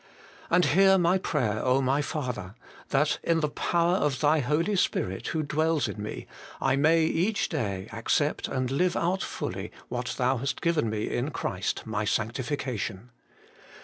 And hear my prayer, my Father ! that in the 200 HOLY IN CHRIST. > power of Thy Holy Spirit, who dwells in me, I may each day accept and live out fully what Thou hast given me in Christ my sanctification.